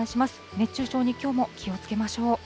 熱中症にきょうも気をつけましょう。